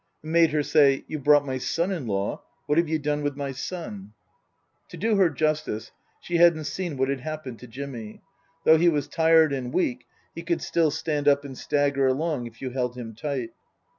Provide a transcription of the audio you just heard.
It made her say, " You've brought my son in law. What have you done with my son ?" (To do her justice, she hadn't seen what had happened to Jimmy. Though he was tired and weak, he could still stand up and stagger along if you held him tight.)